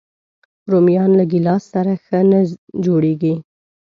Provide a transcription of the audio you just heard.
رومیان له ګیلاس سره ښه نه جوړيږي